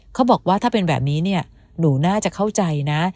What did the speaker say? เขาบอกว่าถ้าเป็นแบบนี้เนี่ยหนูน่าจะเข้าใจนะ